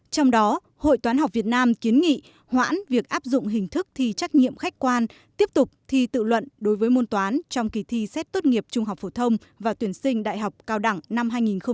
trong đó hội toán học việt nam kiến nghị hoãn việc áp dụng hình thức thi trách nhiệm khách quan tiếp tục thi tự luận đối với môn toán trong kỳ thi xét tốt nghiệp trung học phổ thông và tuyển sinh đại học cao đẳng năm hai nghìn hai mươi